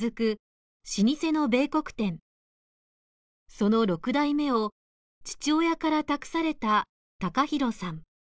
その６代目を父親から託された隆大さん。